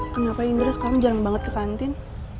kenapa indra sekarang jarang banget ke kantin